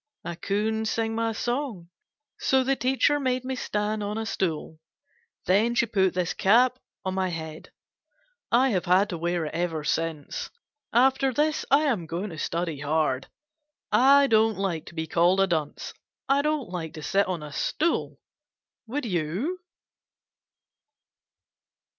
I couldn't sing my song. So the teacher made me stand on a stool. Then she put this cap on my head. I have had to wear it ever since. After this I am going to study hard. I don't like to be called a dunce. I don't like to sit on a stool. Would you?